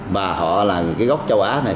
và họ là cái gốc châu á này